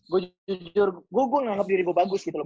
gue jujur gue nganggep diri gue bagus gitu loh